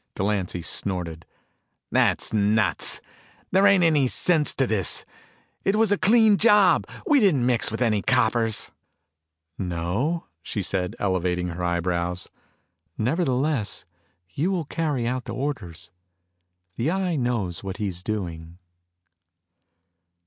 Delancy snorted. "That's nuts. There ain't any sense to this. It was a clean job. We didn't mix with any coppers." "No?" she said, elevating her eyebrows. "Nevertheless, you will carry out the orders. The Eye knows what he's doing."